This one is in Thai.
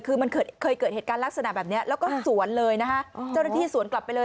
คือมันเคยเกิดเหตุการณ์ลักษณะแบบนี้แล้วก็สวนเลยนะคะเจ้าหน้าที่สวนกลับไปเลย